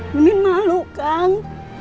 mimin malu kang